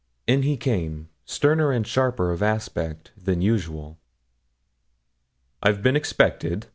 In he came, sterner and sharper of aspect than usual. 'I've been expected?